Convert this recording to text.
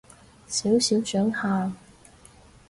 少少想喊